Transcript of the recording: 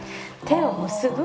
手を結ぶ。